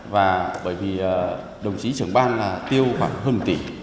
và bởi vì đồng chí trưởng ban tiêu khoảng hơn một tỷ